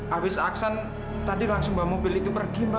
abis aksan tadi langsung bawa mobil itu pergi mbak